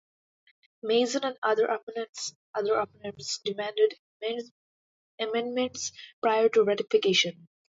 Mason and other opponents demanded amendments prior to ratification.